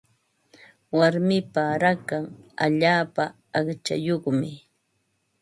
Warmipa rakan allaapa aqchayuqmi.